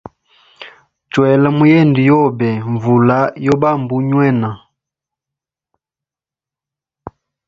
Chwela muyende yobe nvula yo bamba unywena.